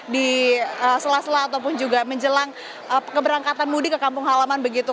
di sela sela ataupun juga menjelang keberangkatan mudik ke kampung halaman begitu